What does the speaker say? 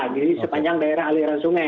jadi sepanjang daerah airan sungai